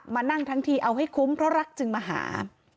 มานั่งทั้งทีเอาให้คุ้มเพราะรักจึงมาหา